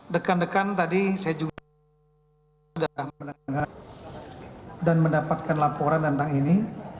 dekan dekan tadi saya juga sudah mendengar dan mendapatkan laporan tentang ini